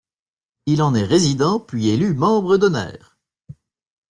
Il en est résident puis élu membre d’honneur.